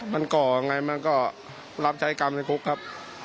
มันก่อยังไงมันก็รับใช้กรรมในคุกครับ